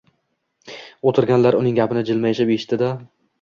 O‘tirganlar uning gapini jilmayishib eshitishdi-da: